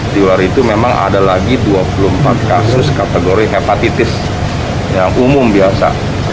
di luar itu memang ada lagi dua puluh empat kasus kategori hepatitis yang umum biasa